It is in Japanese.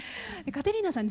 カテリーナさん